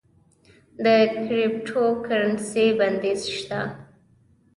د کریپټو کرنسی بندیز شته؟